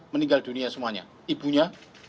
meninggal dunia semuanya ibunya